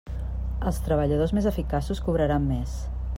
Els treballadors més eficaços cobraran més.